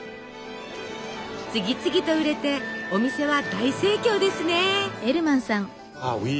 次々と売れてお店は大盛況ですね。